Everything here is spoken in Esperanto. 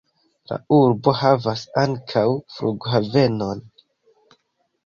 La urbo havas ankaŭ flughavenon.